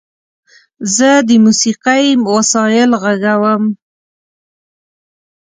زه د موسیقۍ وسایل غږوم.